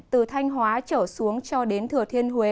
từ thanh hóa trở xuống cho đến thừa thiên huế